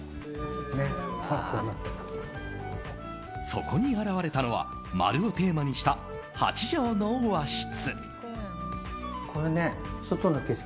そこに現れたのは丸をテーマにした８畳の和室。